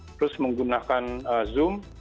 terus menggunakan zoom